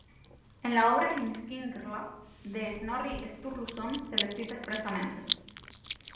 En la obra Heimskringla de Snorri Sturluson se le cita expresamente.